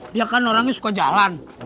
dia kan orangnya suka jalan